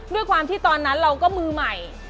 ด้วยความที่ตอนนั้นเราก็มือใหม่